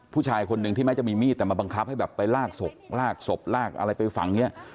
ผู้ชายคนหนึ่งที่แม้จะมีมีดแต่มาบังคับให้แบบไปลากศพลากศพลากอะไรไปฝังเนี่ย